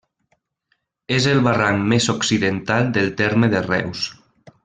És el barranc més occidental del terme de Reus.